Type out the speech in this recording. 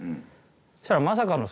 そしたらまさかの。